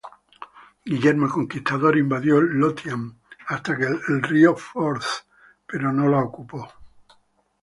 Guillermo el Conquistador invadió Lothian hasta el río Forth, pero no la ocupó.